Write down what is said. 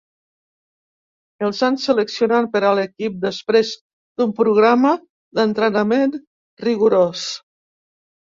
Els han seleccionat per a l'equip després d'un programa d'entrenament rigorós.